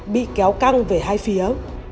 bị kéo căng về hai phía